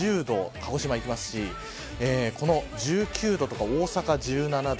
鹿児島、いきますし１９度とか、大阪１７度。